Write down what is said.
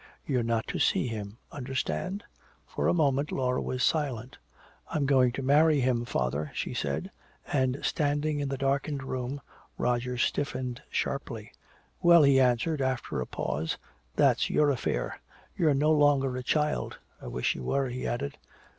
You're not to see him. Understand?" For a moment Laura was silent. "I'm going to marry him, father," she said. And standing in the darkened room Roger stiffened sharply. "Well," he answered, after a pause, "that's your affair. You're no longer a child. I wish you were," he added.